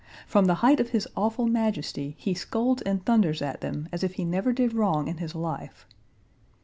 From the height of his awful majesty he scolds and thunders at them as if he never did wrong in his life.